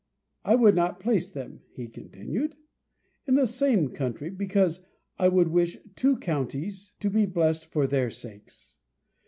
I would not place them," he continued, "in the same county, because I would wish two counties to be blessed for their sakes.